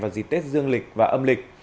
và dịch tết dương lịch và âm lịch